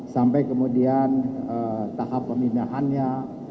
sampai kemudian tahap pemindahannya